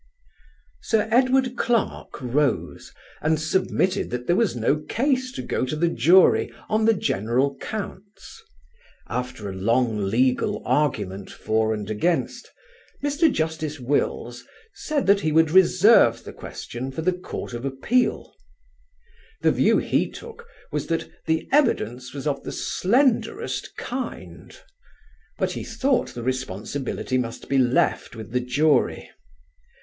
Sir Edward Clarke rose and submitted that there was no case to go to the jury on the general counts. After a long legal argument for and against, Mr. Justice Wills said that he would reserve the question for the Court of Appeal. The view he took was that "the evidence was of the slenderest kind"; but he thought the responsibility must be left with the jury.